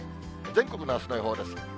全国のあすの予報です。